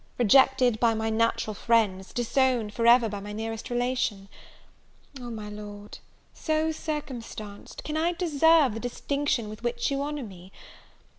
Rejected by my natural friends, disowned for ever by my nearest relation, Oh, my Lord, so circumstanced, can I deserve the distinction with which you honour me?